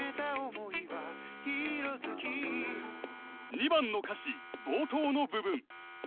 ［２番の歌詞冒頭の部分］